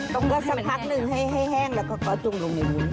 ต้มก็สักพักหนึ่งให้แห้งแล้วก็จุงตรงนู้น